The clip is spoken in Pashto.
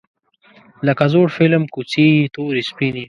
لکه زوړ فیلم کوڅې یې تورې سپینې